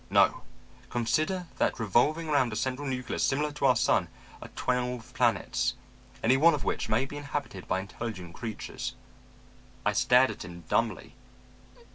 No. Consider that revolving round a central nucleus similar to our sun are twelve planets, any one of which may be inhabited by intelligent creatures.' "I stared at him dumbly.